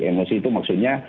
emosi itu maksudnya